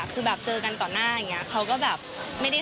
คือแบบเจอกันต่อหน้าอย่างนี้